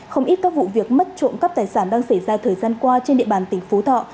không ít các vụ việc mất trộm cắp tài sản đang xảy ra thời gian qua trên địa bàn tỉnh phú thọ